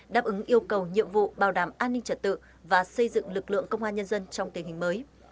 đáp ứng yêu cầu nhiệm vụ bảo đảm an ninh trật tự và xây dựng lực lượng công an nhân dân trong tình hình mới